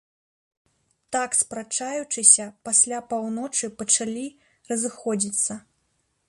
Так спрачаючыся, пасля паўночы пачалі разыходзіцца.